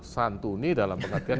santuni dalam pengertian